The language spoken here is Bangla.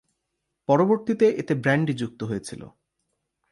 পরবর্তীতে এতে ব্র্যান্ডি যুক্ত হয়েছিল।